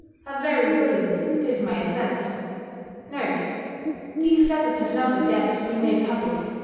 I very willingly give my assent. [*These letters have not as yet been made public.